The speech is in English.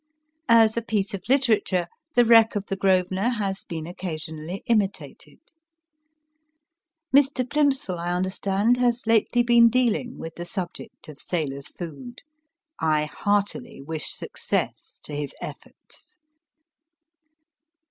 As a piece of literature, * The Wreck of the "Grosvenor" has been occasionally imitated. Mr. Plimsoll, I understand, has lately been dealing with the subject of sailors food. I heartily wish success to his efforts.